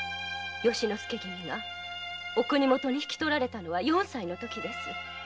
若君が国元へ引き取られたのは四歳の時です。